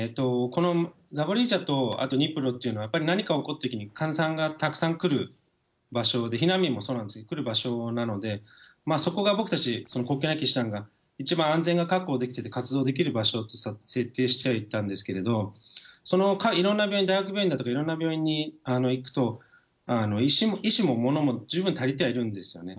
このザポリージャと、あとニプロというのは何か起こったときに、患者さんがたくさん来る場所で、避難民もそうなんですが、来る場所なので、そこが、僕たち国境なき医師団が一番安全が確保できて活動できる場所と設定してはいたんですけれども、そのいろんな病院、大学病院だとかいろんな病院に行くと、医師も物も十分足りてはいるんですよね。